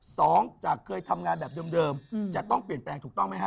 สองจากเคยทำงานแบบเดิมจะต้องเปลี่ยนแปลงถูกต้องไหมฮ